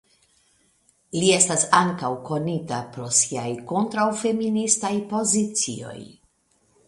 Li estas ankaŭ konita pro siaj kontraŭfeministaj pozicioj.